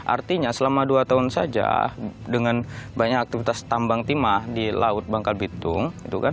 artinya selama dua tahun saja dengan banyak aktivitas tambang timah di laut bangkal bitung